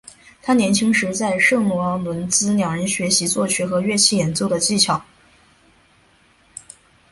他年轻时在圣罗伦兹两人学习作曲和乐器演奏的技巧。